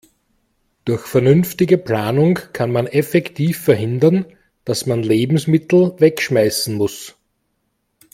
Durch vernünftige Planung kann man effektiv verhindern, dass man Lebensmittel wegschmeißen muss.